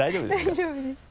大丈夫です